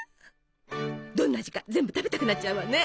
どんな味か全部食べたくなっちゃうわね。